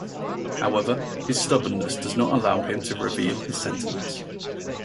However, his stubbornness does not allow him to reveal his sentiments.